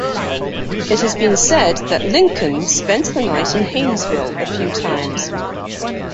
It has been said that Lincoln spent the night in Hainesville a few times.